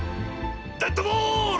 デッドボール！